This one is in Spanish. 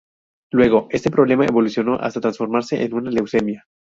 Luego, este problema evolucionó hasta transformarse en una leucemia.